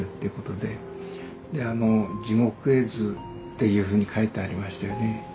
であの地獄絵図っていうふうに書いてありましたよね。